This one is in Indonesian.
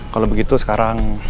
kalau begitu sekarang